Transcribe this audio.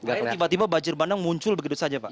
air tiba tiba bajir bandang muncul begitu saja pak